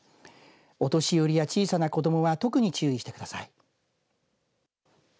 お年寄りや小さな子どもは特に注意してください。